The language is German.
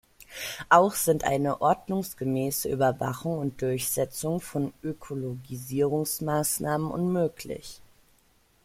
Auch sind eine ordnungsgemäße Überwachung und Durchsetzung von Ökologisierungsmaßnahmen unmöglich.